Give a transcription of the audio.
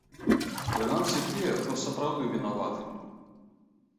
Прынамсі тыя, хто сапраўды вінаваты.